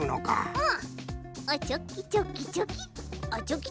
うん。